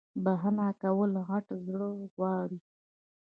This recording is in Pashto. بخښنه کول غت زړه غواړی